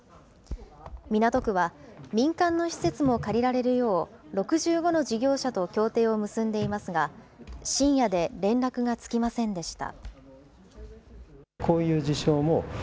港区は、民間の施設も借りられるよう６５の事業者と協定を結んでいますが、深夜で連絡がつきませんでした。